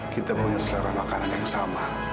kita punya selera makanan yang sama